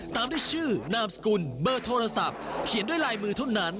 ตามด้วยชื่อนามสกุลเบอร์โทรศัพท์เขียนด้วยลายมือเท่านั้น